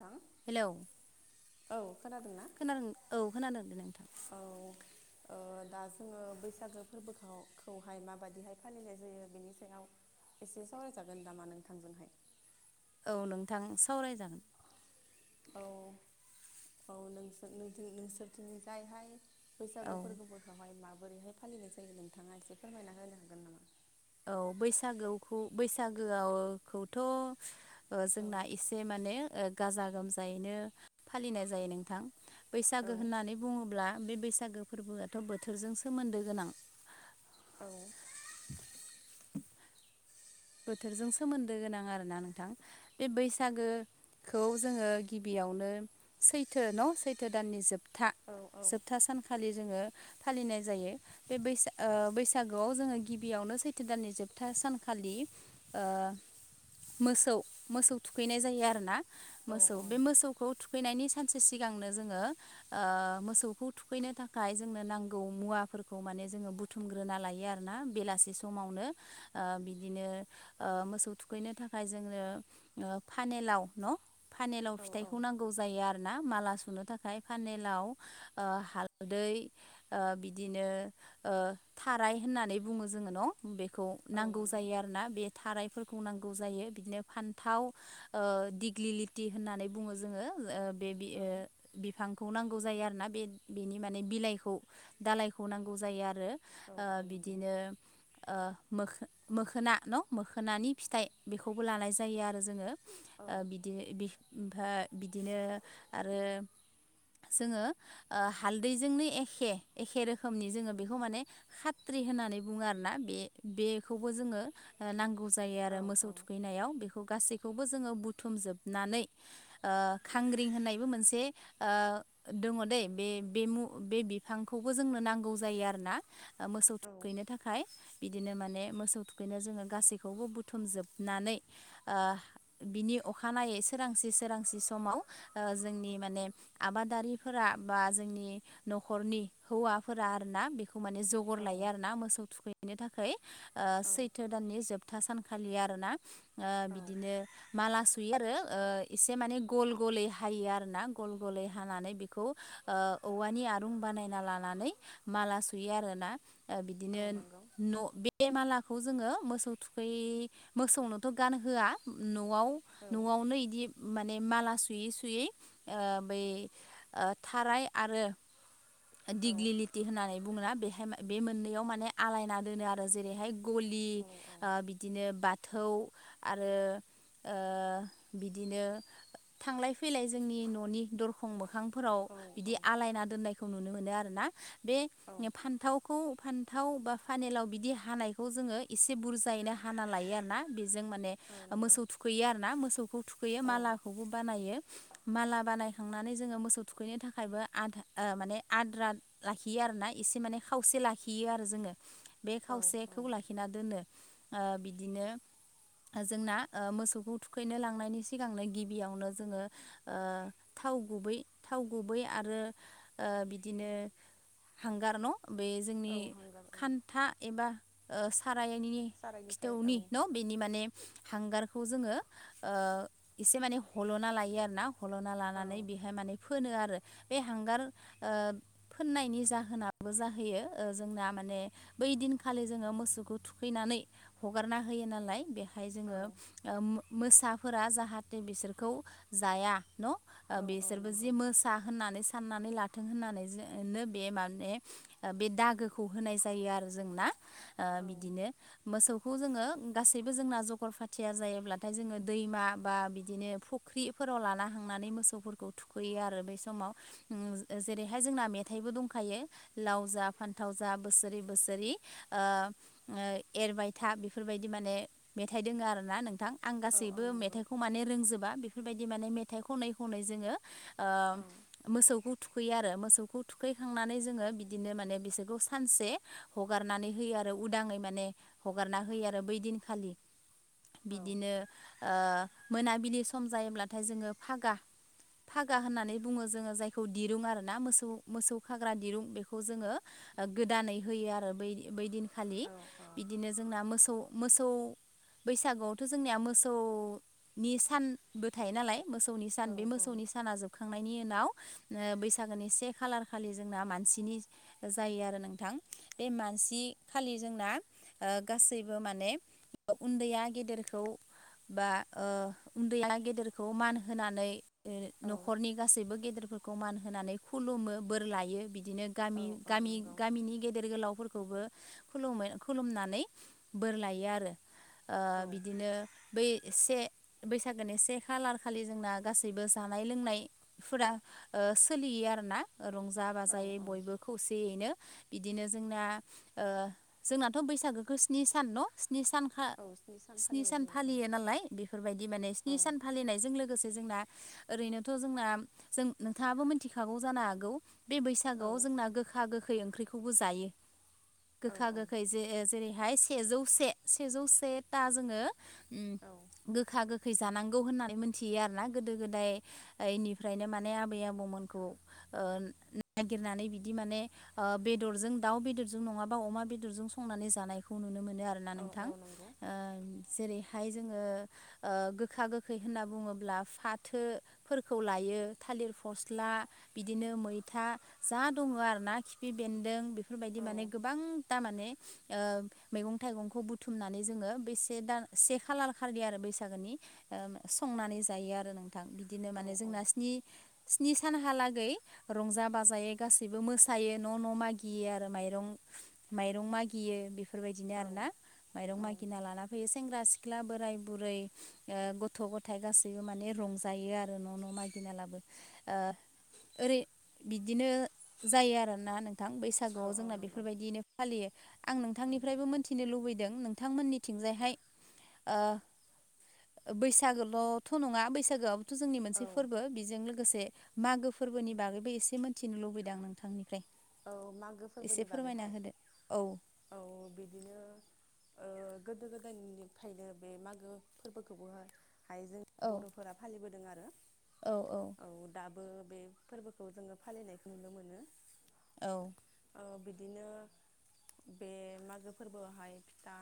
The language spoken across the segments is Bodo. थां हेलौ औ खोनादोंना खोनादो औ खोनादों नोंथां। औ ओ दा जोङो बैसागो फोरबो खौहाय माबायदिहाय फालिनाय जायो बेनि सायाव एसे सावरायजागोन नामा नोंथां जोंहाय औ नोंथां सावरायजागोन औ औ नोंसोर नोंसोरथिंनि जायहाय औ बैसागु फोरबोखौहाय माबोरैहाय फालिनाय जायो नोंथाङा एसे फोरमायना होनो हागोन नामा औ बैसागोखौ बैसागोआवखौथ' औ जोंना एसे माने गाजा गोमजायैनो फालिनाय जायो नोंथां औ बैसागो होननानै बुङोब्ला बे बैसागो फोरबोआथ' बोथोरजों सोमोन्दो गोनां औ [inaudible] बोथोरजों सोमोन्दो गोनां आरोना नोंथां बे बैसागोखौ जोङो गिबियाव बियावनो सैथो न' सैथो दाननि जोबथा औ औ जोबथा सानखालि जोङो फालिनाय जायो। बे बो बैसागुआव जोङो गिबियाव नो सैथो दाननि जोबथा सानखालि ओ मोसौ मोसौ थुखैनाय जायो आरोना। मोसौ बे मोसौखौ थुखैनायनि सानसे सिगांनो जोङो मोसौखौ थुखैनो थाखाय जोंनो नांगौ मुवा फोरखौ माने जोङो बुथुमग्रोना लायो आरोना बेलासि समावनो बिदिनो ओ मोसौ थुखैनो थाखाय जोङो फानेलाव न' फानेलाव औ औ फिथाइखौ नांगौ जायो आरो। ना माला सुनो थाखाय पानेलाव ओ हालदै बिदिनो थाराय होननानै बुङो जोङो न' बेखौ औ नांगौ नंगौ जायो आरोना। बे थारायफोरखौ नांगौ जायो बिदिनो फान्थाव दिग्लिलिथि होननानै बुङो जोङो बे औ बिफांखौ नांगौ। नांगौ जायो आरोना बे बेनि माने बिलाइखौ दालाइखौ नांगौ जायो आरो। औ औ नंगौ बिदिनो ओ मोखोना न मोखोनानि फिथाइ बेखौबो लानाय जायो आरो जोङो। औ बिदि ओमफ्राय बिदिनो आरो जोङो ओ हालदैजोंनो एखे एखे रोखोमनि जोङो बेखौ माने खाथ्रि होननानै बुङो आरोना बेखौबो जोङो। नांगौ जायो औ आरो मोसौ औ थुखैनायाव बेखौ गासैबो बखौबो जोङो बुथुम जोबनानै खांग्रिं होननायबो मोनसे ओ दङ दै बेमु बे बिफांखौबो जोंनो नांगौ जायो आरोना। मोसौ थुखैनो थाखाय बिदिनो माने मोसौ थुखैनो जोङो। गासैखौबो बुथुमजोबनानै बिनि अखानायै सोरांसि सोरांसि समाव जोंनि माने आबादारिफोरा बा जोंनि न'खरनि हौवा मा आरोना बेखौ माने जगर औ लायो आरोना मोसौ थुखैनो थाखाय औ सैथो। जथा सानखालिनि ओ औ बिदिनो माला सुयो आरो एसे माने गल गलै हायो आर ना गल गलै हानानै बेखौ औवानि आरुं बानायना लानानै माला सुयो आरोना। औ बिदिनो नंगौ न' बे मालाखौ जोङो मोसौ थुखै मोसौनोथ' गान होआ न' न'आव औ न'आवनो बिदि माने माला सुयै सुयै बै थाराय आरो औ दिगलिलिटि होननानै बुङोना बेहाय बे मोननैयाव माने आलायना दोनो आरो जेरैहाय गलि ओ बिदिनो बाथौ आरो बिदिनो थांलाय फैलाय जोंनि न'नि दरखं मोखांफोराव औ बिदि आलायना दोननायखौ नुनो मोनो आरोना। बे औ फान्थावखौ फान्थाव बा फानेलाव बिदि हानायखौ जोङो एसे बुरजायैनो हाना लायो आरो ना। जों माने औ ओ नंगौ मोसौ थुखैयो आरोना मोसौखौ थुखैयो औ मालाखौबो बानायो माला बानाय। खांनानै जोङो मोसौ थुखैनो थाखायबो आधा ओ माने आद्रा लाखियो आरोना एसे माने खावसे। लाखियो आरो जोङो बे औ औ खावसेखौ लाखि नो ओ‌ बिदिनो ओ जोंना ओ मोसौखौ थुखैनो लांनायनि सिगांनो गिबियावनो जोङो ओ थाव गुबै थाव गुबै आरो ओ बिदिनो हांगार न' बे औ जोंनि हांगार औ खान्था एबा ओ सा रायनि सारायनिफ्राय औ खिथौनि न' बेनि माने हांगारखौ जोङो ओ एसे माने हल'ना लायो आरो ना हल'ना औ लानानै बेहाय माने फोनो आरो। बे हांगार ओ फोननायनि जाहोनाबो जाहैयो ओ जोंना माने बै दिन खालि जोङो मो मोसौखौ थुखैनानै हगारना होयो नालाय बेहाय औ जोङो ओम मोसाफोरा जाहाथे बिसोरखौ जाया न' औ ओ औ बिसोरबो जे नंगौ मोसा होननानै साननानै लाथों होननानै जो नो बे माने ओ बे दागोखौ होनाय जायो आरो जों ना ओ औ बिदिनो मोसौ खौ जोङो गासैबो जोंना जगर फाथिया जायोब्लाथाय जोङो दैमा बा बिदिनो फुख्रिफोर फोराव लाना हांनानै मोसौफोरखौ थुखैयो आरो बे समाव जेरैहाय जोंना मेथाइबो दंखा यो लाव जा फान्थाव जा बोसोरै बोसोरै ओ-ओ एरबाय था बेफोरबायदि माने मेथाइ दोङो आरोना नोंथां आं औ औ गासैबो नंगौ मेथाइखौ माने रोंजोबा बेफोर बायदि माने मेथाइ खनै खनै जोङो ओ औ मोसौखौ थुखैयो आरो मोसौ थुखैखांनानै जोङो बिदिनो माने बिसोरखौ सानसे हगारनानै होयो आरो उदाङै माने हगारना होयो आरो बै दिनखालि औ बिदिनो ओ मोनाबिलि सम जायोब्लाथाय जोङो फागा फागा होननानै बुङो जोङो जायखौ दिरुं आरोना मोसौ मोसौ खाग्रा दिरुं बेखौ जोङो ओ गोदानै होयो आरो बै बै दिन खालि औ बिदिनो जोंना मोसौ मोसौ बैसागुआवथ' जोंनिया मोसौनि सानबो थायो नालाय मोसौनि सान बे औ मोसौनि साना जोबखांनायनि उनाव ओ बैसागोनि से खालार खालि जोंना मानसिनि जायो आरो नोंथां बे मानसि - नि बि खालि जोंना ओ गासैबो माने उन्दैया गेदेरखौ बा ओ उन्दैया गेदेरखौ मान होनानै न'खरनि गासैबो गेदेरफोरखौ मान होनानै खुलुमो बोर लायो बिदि बिदिनो औ गामि औ गामि नंगौ गामिनि गेदेर गोलावफोरखौ खुलुमै खुलुमनानै बोर लायो आरो ओ औ बिदिनो बै से बैसागोनि से खालार खालि जोंना गासैबो जानाय लोंनायफोरा ओ ओ सोलियो आरो ना रंजा औ बाजायै औ बयबो खौसेयैनो बिदिनो जोंना ओ जोंनाथ' बैसागोखौ स्नि सान न' स्नि सानखा औ स्नि फालिनाय सान जायो फालियो औ नालाय बेफोरबायदि माने स्नि सान फालिनायजों लोगोसे जोंना ओरैनोथ' जोंना जों नोंथाङाबो मिथिखागौ जानो हागौ बे औ बैसागोआव जोंना गोखा गोखै ओंख्रिखौबो जायो औ गोखा गोखै जे जेरैहाय सेजौ से सेजौ से ता जोङो उम औ गोखा गोख खै जानांगौ होननानै मोनथियो आरोना गोदो गोदायनिफ्रायनो माने आबै आबौमोनखौ ओ नागिरनानै बिदि माने बेदरजों दाउ बेदर जों नङाबा अमा बेदरजों संनानै जानायखौ नुनो मोनो मोनो आरोना औ नोंथां औ नंगौ ओ जेरैहाय जोङो ओ गोखा गोखै होनना बुङोब्ला फाथोफोरखौ लायो थालिर फस्ला बिदिनो मैथा जा दङ आरोना खिफि बेनदों बेफोर बायदि औ माने गोबां दा माने ओ मैगं थायगंखौ बुथुमनानै जोङो बेसेबा से खालार खालि आरो बैसागोनि संनानै जायो आरो नों -थां बिदिनो औ माने जोंना स्नि नि सानहालागै रंजा बाजायै गासैबो मोसायो न' न' मागियो आरो माइ रं माइरं मागियो बेफोरबायदिनो आरोना माइरं मागिना लाना फैयो सेंग्रा सिख्ला बोराइ बुरै गथ' गथाइ गासैबो माने रंजायो आरो न' न' मागिना लाबो ओ ओरै बिदिनो जायो आरोना नों थां औ बैसागुआव औ जोंना नंगौ बेफोरबायदिनो फालियो आं औ नोंथांनिफ्रायबो मोनथिनो लुबैयो लुबैदों नोंथांमोननिथिंजायहाय बैसागोल'थ' नङा बैसागोआथ' जोंनि मोनसे औ फोरबो बेजों लोगोसे मागो फोरबोनि बागैबो एसे मिथिनो लुबैदों आं नोंथांनिफ्राय औ मागो एसे फोरबोनि फोरमायना बागैहाय होदो औ औ बिदिनो गोदो गोदायनिफ्रायनो बे मागो फोरबोखौबोहाय हाय जों औ बर'फोरा फालिबोदों आरो औ दाब बो बे फोरबोखौ जोङो फालिनायखौ नुनो मोनो। औ। ओ बिदिनो बे मागो फोरबोआवहाय फिथा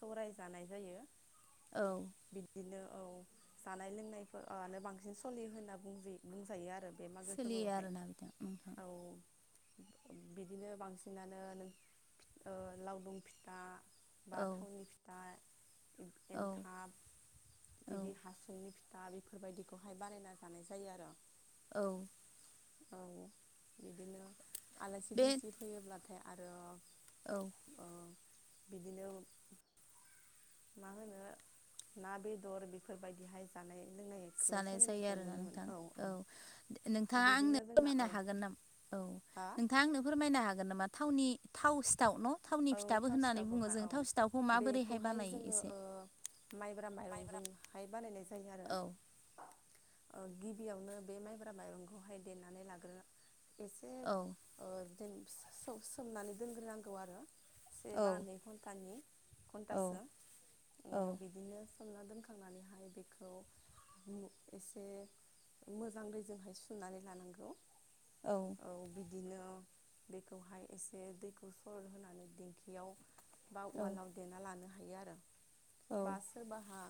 सौराय जानाय जायो। औ बिदिनो औ जानाय लोंनायफोरनो बांसिन सलियो होनना बुंजायो आरो बे मागो सोलियो फोरबोआवहाय आरोना बिथां नोंथां औ बिदिनो बांसिनानो नों लावदुम फिथा बा औ थावनि फिथा औ एन्थाब औ बिदि हासंनि दा बेफोरबायदिखौहाय बानायना जानाय जायो आरो। औ। औ बिदिनो आलासि बे दुमसि फैयोब्लाथाय आरो औ ओ बिदिनो मा होनो ना बेदर बेफोरबायदिहाय जानाय लोंनाय जानाय जायो आरोना नोंथां औ नोंथाङा आंनो बिदिनो जोंना फोरमायनो औ हागोन नामा औ हा नोंथां आंनो फोरमायनो हागोन नामा थावनि थाव सिथाव न' थावनि औ फिथाबो थाव होननानै बुङो सिथावखौहाय जों औ थाव सिथावखौ माबोरैहाय बेखौहाय बानायो? जोङो एसे ओ माइब्रा माइरंजोंहाय बानायनाय जायो औ आरो गिबियावनो बे माइब्रा माइरंखौहाय देनानै लाग्रो एसे औ जेन सोमनानै दोनग्रोनांगौ आरो से औ बा नै घन्टानि औ घन्टासो औ बिदिनो सोमना दोनखांनानैहाय बेखौ एसे मोजां दैजोंहाय सुनानै लानांगौ। औ बिदिनो बेखौहाय एसे दैखौ सरल होनानै दिेंखियाव बा औ उवालाव देना लानो हायो आरो औ बा सोरबाहा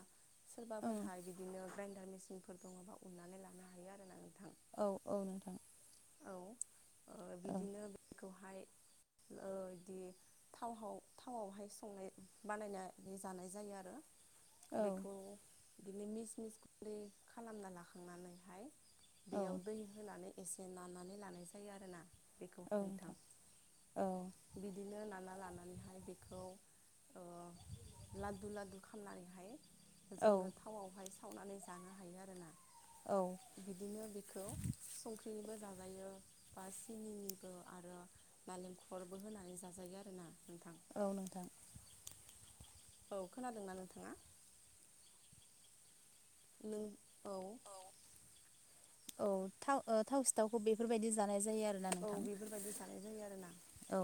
ओं सोरबाफोरहाय बिदिनो ग्राइन्डार मेसिनफोर दङबा उननानै लानो हायो आरोना नोंथां। औ-औ नोंथां। औ ओ ओं बिदिनो बेखौहाय बिदि थाव थावावहाय संनाय बानायनानै जानाय जायो आरो औ बेखौ बिदिनो मिस मिस खि खालामना लाखांनानैहाय औ बेयाव दै होनानै एसे ननानै लानाय जायो आरोना बेखौ औ नोथां नोंथां औ बिदिनो लानानैहाय बेखौ लादु लादु खालामनानैहाय औ जोङो थावआवहाय सावनानै जानो हायो आरोना। औ बिदिनो बिखौ संख्रिनिबो जा जाजायो बा सिनिनिबो आरो नालेंखरबो होनानै जाजायो आरोना। नोंथां औ नोंथां। औ खोनादोंना नोंथाङा? नों औ। औ थाव ओ थाव सिथावखौ बेफोरबायदि जानाय जायो आरोना औ नोंथां। बेफोरबायदि जानाय जायो आरोना औ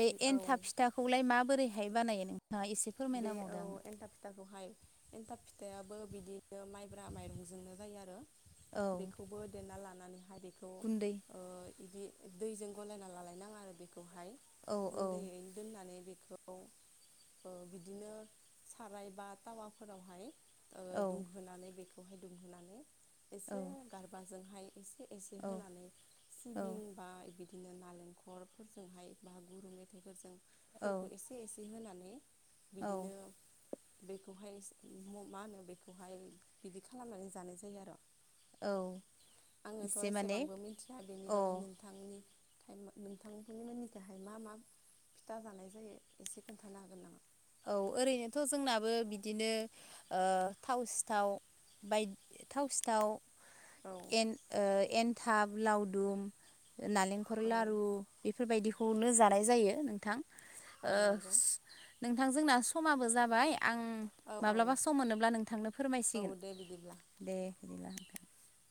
बै एनथाब औ बिथांखौ लाय माबोरै हाय बानायो नोंथाङा एसे बे औ फोरमायनाहोबावदों आनो? एन्थाब फिथाखौहाय एन्थाब फिथाइाबो बिदिनो माइब्रा माइरंजोंनो जायो। आरो औ बेखौबो देना लानानैहाय बेखौ गुन्दै बिदि दैजों गलायना लालायनाङा आरो बेखौहाय औ गुन्दैयैनो दोननानै बे खौ ओ बिदिनो साराय बा टावाफोरावहाय ओ औ दुंहोनानै बेखौहाय दुंहोनानै औ एसे गारबाजोंहाय एसे एसे औ होनानै औ सिबिं बा बिदि बिदिनो नालेंखरफोरजोंहाय बा गुरु मेथाइफोरजोंफोरखौ औ एसे एसे होनानै औ बिदिनो बेखौहाय मा होनो बेखौहाय बिदि खालामनानै जानाय जायो आरो औ आंनोथ एसे माने एसेबांबो मिथिया बेनि अ बागै नोंथांनि नोंथांनि मोनिखौहाय मा मा फिथा जानाय जायो एसे खोन्थानो हागोन नामा औ ओरैनोथ' जोंनाबो बिदिनो ओ थाव सिथाव बायदि थाव सिथाव औ एन ओ एनथाब लावदुम नालेंखर औ लारु बेफोरबायदिखौनो जानाय जायो नोंथां औ ओ नंगौ नोंथां जोंना समाबो जाबाय आं औ माब्लाबा सम मोनोब्ला नोंथांनो औ औ फोरमायसिगोन दे बिदिब्ला दे [unintelligible]